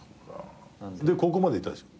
で高校までいたでしょ？